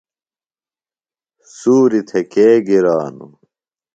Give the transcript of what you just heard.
سُوریۡ تھےۡ کے گرانوۡ؟